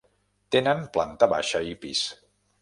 Tenen planta baixa i pis.